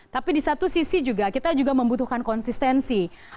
tapi di satu sisi juga kita juga membutuhkan konsistensi